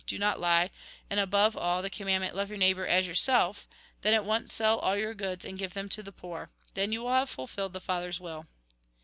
Do not lie, and, above all, the commandment : Love your neighbour as yourself, — then, at once sell all your goods, and give them to the poor. Then you will have fulfilled the Father's will."